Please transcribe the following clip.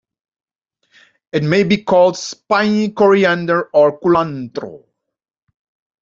It may be called spiny coriander or culantro.